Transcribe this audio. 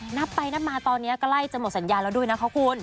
นับไปนับมาตอนนี้ใกล้จะหมดสัญญาแล้วด้วยนะคะคุณ